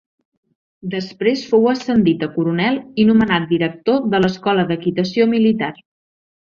Després fou ascendit a coronel i nomenat director de l'Escola d'Equitació Militar.